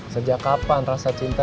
sejak kapan rasa cinta